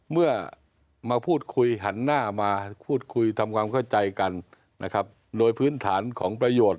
เมื่อมาพูดคุยหันหน้ามาพูดคุยทำความเข้าใจกันนะครับโดยพื้นฐานของประโยชน์